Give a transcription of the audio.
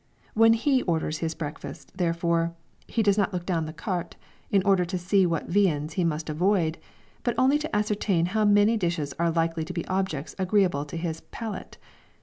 When he orders his breakfast, therefore, he does not look down the carte in order to see what viands he must avoid, but only to ascertain how many dishes are likely to be objects agreeable to his palate.